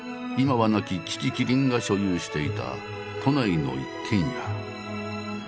今は亡き樹木希林が所有していた都内の一軒家。